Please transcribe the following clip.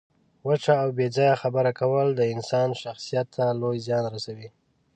وچه او بې ځایه خبره کول د انسان شخصیت ته لوی زیان رسوي.